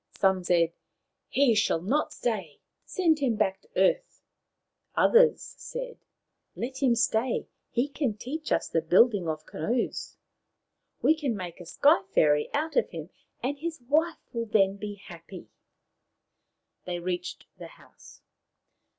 Some said : "He shall not stay. Send him back to earth." Others said :" Let him stay. He can teach us the building of canoes. We can make a Sky fairy of him, and his wife will then be happy." They reached the house.